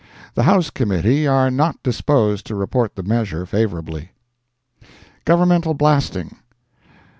The House Committee are not disposed to report the measure favorably. Governmental Blasting.